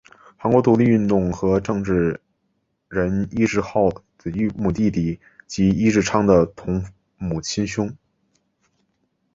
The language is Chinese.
韩国独立运动家和政治人尹致昊的异母弟弟及尹致昌的同母亲兄。